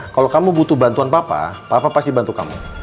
kalau kamu butuh bantuan papa papa pasti bantu kamu